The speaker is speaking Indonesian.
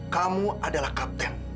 kamu adalah kapten